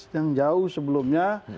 yang jauh sebelumnya